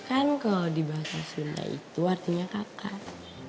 kan kalau di bahasa sunda itu artinya kakak